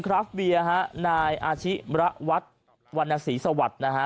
ครัฟเบียนะฮะนายอาชิรวรรษวรรณศรีสวรรค์นะฮะ